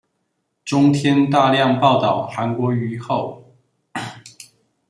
中天大量報導韓國瑜後